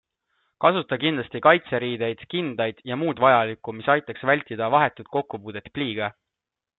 Kasuta kindlasti kaitseriideid, kindaid jm vajalikku, mis aitaks vältida vahetut kokkupuudet pliiga.